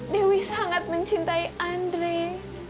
dewi sangat mencintai andrei